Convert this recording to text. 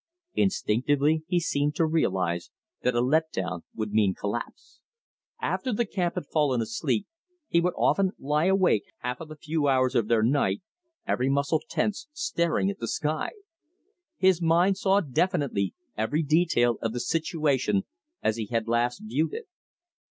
Instinctively he seemed to realize that a let down would mean collapse. After the camp had fallen asleep, he would often lie awake half of the few hours of their night, every muscle tense, staring at the sky. His mind saw definitely every detail of the situation as he had last viewed it.